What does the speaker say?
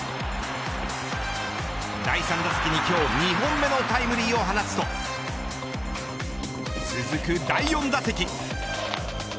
第３打席に今日２本目のタイムリーを放つと続く第４打席。